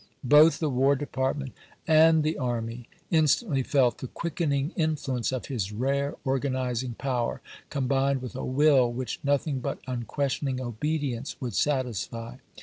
Both the War Department and the army instantly felt the quickening influence of his rare organizing power, combined with a will which nothing but unques tioning obedience would satisfy.